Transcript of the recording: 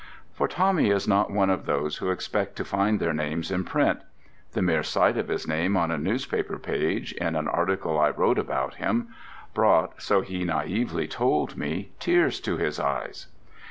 For Tommy is not one of those who expect to find their names in print. The mere sight of his name on a newspaper page, in an article I wrote about him, brought (so he naïvely told me) tears to his eyes.